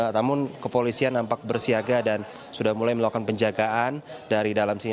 namun kepolisian nampak bersiaga dan sudah mulai melakukan penjagaan dari dalam sini